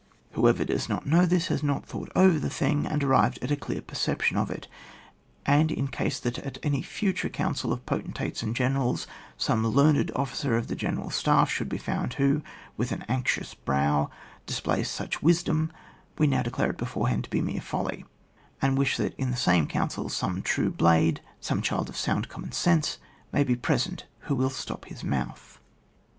Whoever does not know this has not thought over the thing and ar rived at a clear perception of it, and in case that at any future council of poten tates and generals, some learned officer of the general staff should be found, who, with an anxious brow, displays such wis dom, we now declare it beforehand to be mere folly, and wish that in the same council some true Blade, some child of sound conmion sense may be present who will stop his mouth.